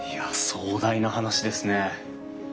壮大な話ですね。